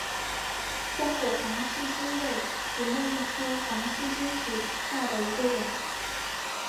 光果黄细心为紫茉莉科黄细心属下的一个种。